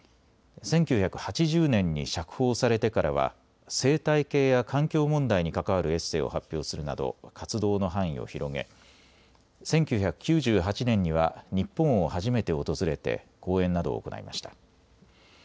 １９８０年に釈放されてからは生態系や環境問題に関わるエッセーを発表するなど活動の範囲を広げ１９９８年には日本を初めて訪れて講演などを行いました。